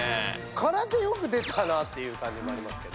空手よく出たなっていう感じもありますけど。